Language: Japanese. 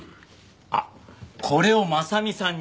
あっこれを真実さんに。